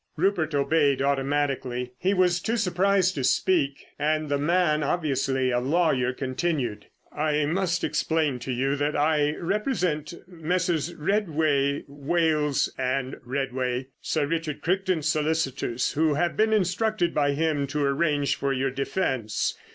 Rupert obeyed automatically. He was too surprised to speak, and the man, obviously a lawyer, continued: "I must explain to you that I represent Messrs. Redway, Wales & Redway, Sir Richard Crichton's solicitors, who have been instructed by him to arrange for your defence.